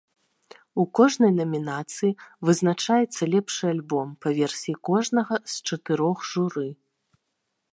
У кожнай намінацыі вызначаецца лепшы альбом па версіі кожнага з чатырох журы.